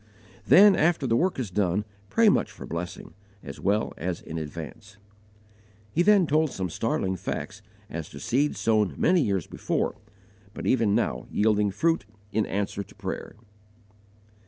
Then, after the work is done, pray much for blessing, as well as in advance." He then told some startling facts as to seed sown many years before, but even now yielding fruit in answer to prayer.